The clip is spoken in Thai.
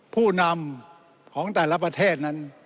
ผู้นำของแต่ละประเทศนั้น